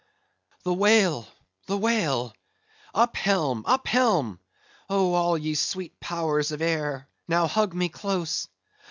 "The whale, the whale! Up helm, up helm! Oh, all ye sweet powers of air, now hug me close!